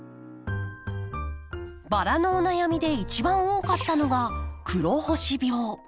バラのお悩みで一番多かったのは「黒星病」。